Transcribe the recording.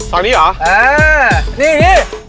ซองนี้เหรออ่านี่